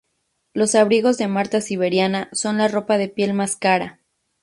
Los abrigos de marta siberiana son la ropa de piel más cara.